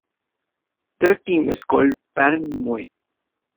Their team is called Barrenmoey.